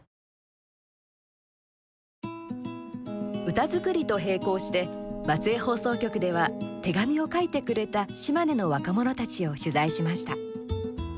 歌作りと並行して松江放送局では手紙を書いてくれた島根の若者たちを取材しました。